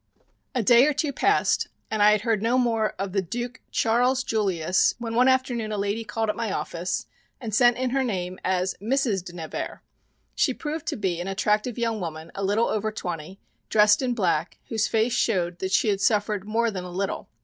A day or two passed and I had heard no more of the Duc Charles Julius when one afternoon a lady called at my office and sent in her name as Mrs. de Nevers. She proved to be an attractive young woman a little over twenty, dressed in black, whose face showed that she had suffered more than a little.